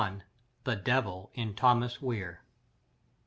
THE DEVIL IN THOMAS WEIR.